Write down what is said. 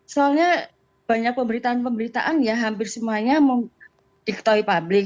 soalnya banyak pemberitaan pemberitaan ya hampir semuanya diketahui publik